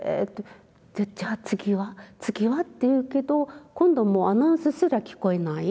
じゃあ次は次はって言うけど今度はアナウンスすら聞こえない。